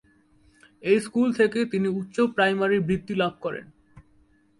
এই স্কুল থেকে তিনি উচ্চ প্রাইমারি বৃত্তি লাভ করেন।